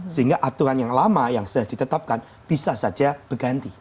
sehingga aturan yang lama yang sudah ditetapkan bisa saja berganti